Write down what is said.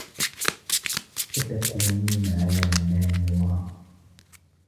ستکونین علی ما یرام.